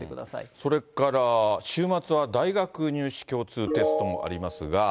それから週末は大学入試共通テストもありますが。